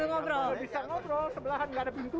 iya kalau bisa ngobrol sebelahan gak ada pintu